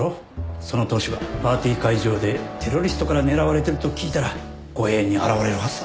その党首がパーティー会場でテロリストから狙われてると聞いたら護衛に現れるはずだ。